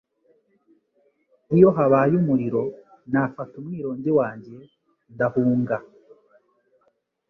Iyo habaye umuriro, nafata umwironge wanjye ndahunga.